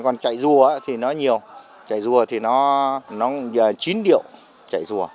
còn chạy rùa thì nó nhiều chạy rùa thì nó nhờ chín điệu chạy rùa